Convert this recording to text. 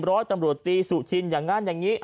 ร้อยตำรวจตีสุชินอย่างนั้นอย่างนี้